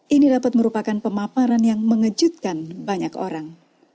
ini dapat merupakan pemaparan yang mengejutkan banyak orang